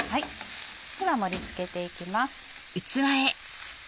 では盛り付けていきます。